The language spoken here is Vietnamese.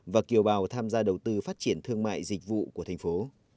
và kiều bào tham gia đầu tư phát triển thương mại dịch vụ của thành phố